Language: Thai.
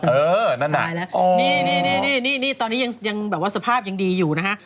เออนั่นน่ะตายแล้วนี่ตอนนี้ยังแบบว่าสภาพยังดีอยู่นะฮะ